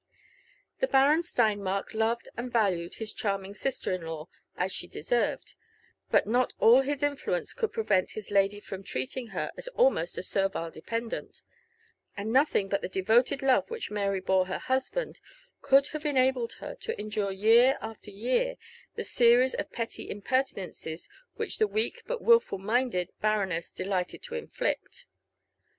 The Baron Steinmark loved and valued his charming sister in law Us she deserved ; but not all his influence could prevent his lady from treating her as almost a servile dependant ; and nothing but the de voted love which Mary bore her husband could have enabled her to ^endure year after year the series of petty impertinences which the weak, but wilful minded, baroness delighted to inflict.